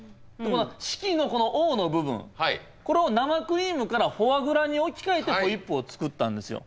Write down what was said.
式のこのＯの部分これを生クリームからフォアグラに置き換えてホイップを作ったんですよ。